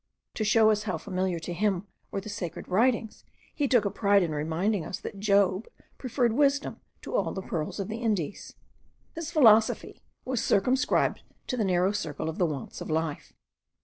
To show us how familiar to him were the sacred writings he took a pride in reminding us that Job preferred wisdom to all the pearls of the Indies. His philosophy was circumscribed to the narrow circle of the wants of life.